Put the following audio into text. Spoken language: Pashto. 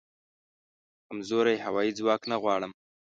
کمزوری هوایې ځواک نه غواړم